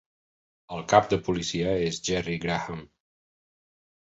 El cap de policia és Jerry Graham.